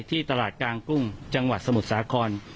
ที่ตลาดกลางกุ้งจังหวัดสมุทรสาคร